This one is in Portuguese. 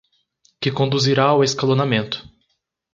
Que conduzirá ao escalonamento